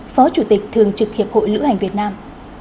phó chủ tịch thường trực hiệp hội lữ hành việt nam